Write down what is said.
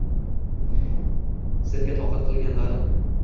Senga toqat tilaganlarim